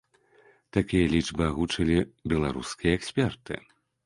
Такія лічбы агучылі беларускія эксперты.